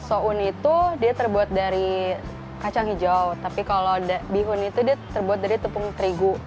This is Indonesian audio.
soun itu dia terbuat dari kacang hijau tapi kalau bihun itu dia terbuat dari tepung terigu